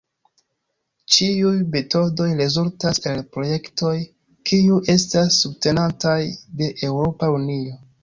Ĉiuj metodoj rezultas el projektoj kiuj estas subtenataj de Eŭropa Unio.